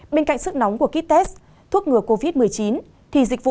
bên cạnh sức nóng của ký test thuốc ngừa covid một mươi chín